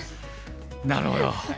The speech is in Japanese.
なるほど！